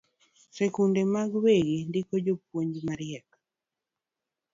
Sikunde mag wegi ndiko jopuonj mariek